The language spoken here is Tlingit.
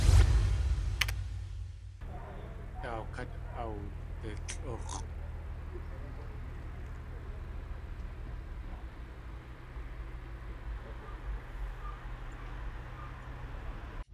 Daaw kát awdilʼúx̲ʼ.